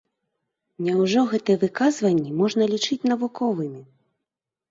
Няўжо гэтыя выказванні можна лічыць навуковымі?